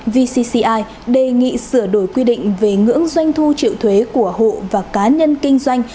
vcci đề nghị sửa đổi quy định về ngưỡng doanh thu triệu thuế của hộ và cá nhân kinh doanh